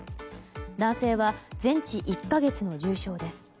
男性は全治１か月の重傷です。